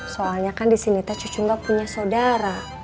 soalnya kan disini teh cucu enggak punya saudara